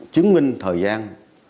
chứng minh thời gian